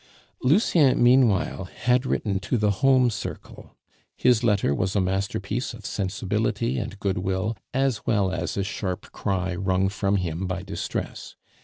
Lucien, meanwhile, had written to the home circle. His letter was a masterpiece of sensibility and goodwill, as well as a sharp cry wrung from him by distress.